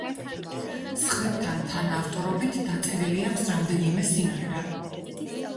სხვებთან თანაავტორობით დაწერილი აქვს რამდენიმე სიმღერა.